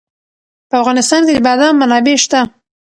په افغانستان کې د بادام منابع شته.